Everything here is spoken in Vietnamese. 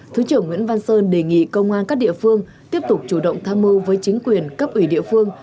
thứ trưởng nguyễn văn sơn đề nghị công an các địa phương tiếp tục chủ động tham mưu với chính quyền cấp ủy địa phương